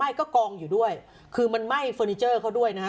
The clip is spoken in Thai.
ก็กองอยู่ด้วยคือมันไหม้เฟอร์นิเจอร์เขาด้วยนะฮะ